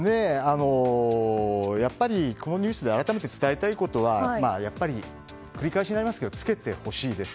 やっぱり、このニュースで改めて伝えたいことはやっぱり繰り返しになりますけど着けてほしいです。